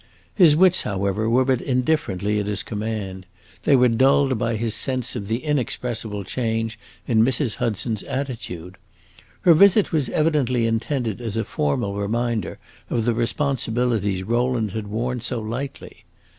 His wits, however, were but indifferently at his command; they were dulled by his sense of the inexpressible change in Mrs. Hudson's attitude. Her visit was evidently intended as a formal reminder of the responsiblities Rowland had worn so lightly.